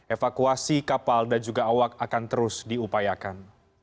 evakuasi kapal dan juga awak akan terus diupayakan